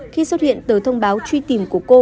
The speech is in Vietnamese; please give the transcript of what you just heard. khi xuất hiện từ thông báo truy tìm của cô